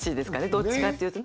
どっちかっていうとね。